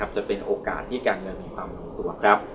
จะเป็นโอกาสที่การเงินมีความต่อขึ้นนะครับ